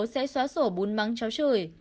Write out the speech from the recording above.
sẽ xóa sổ bún mắng cháu chửi